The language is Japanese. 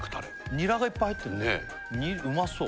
にらがいっぱい入ってるうまそう